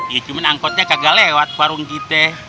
iya cuman angkotnya kagak lewat warung kita